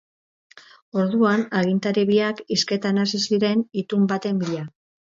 Orduan agintari biak hizketan hasi ziren itun baten bila.